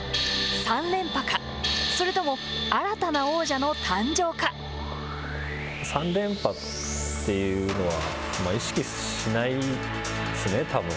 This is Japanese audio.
連覇か、それとも３連覇っていうのは、意識しないですね、たぶん。